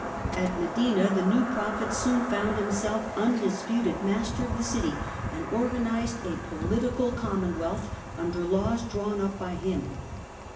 At Medina the new prophet soon found him self undisputed master of the city, and organised a political commonwealth under laws drawn up by him.